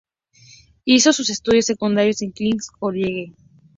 Hizo sus estudios secundarios en King's College.